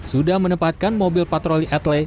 sudah menempatkan mobil patroli etle